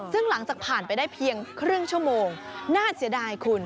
ซึ่งหลังจากผ่านไปได้เพียงครึ่งชั่วโมงน่าเสียดายคุณ